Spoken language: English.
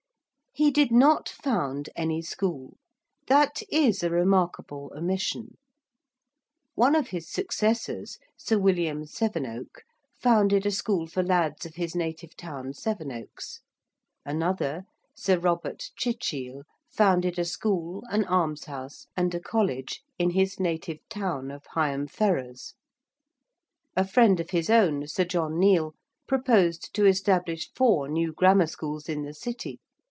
He did not found any school. That is a remarkable omission. One of his successors, Sir William Sevenoke, founded a school for lads of his native town Sevenoaks: another, Sir Robert Chichele, founded a school, an almshouse, and a college in his native town of Higham Ferrers. A friend of his own, Sir John Niel, proposed to establish four new grammar schools in the City.